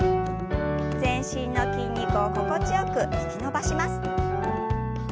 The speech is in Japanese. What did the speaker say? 全身の筋肉を心地よく引き伸ばします。